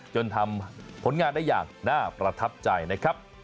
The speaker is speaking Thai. จนทำผลงานได้อย่างน่าประทับใจนะครับ